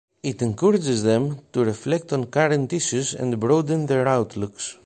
It encourages them to reflect on current issues and broaden their outlooks.